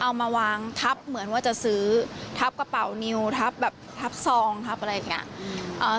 เอามาวางทับเหมือนว่าจะซื้อทับกระเป๋านิวทับแบบทับซองทับอะไรอย่างนี้